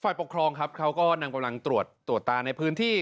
ปกครองครับเขาก็นำกำลังตรวจตรวจตาในพื้นที่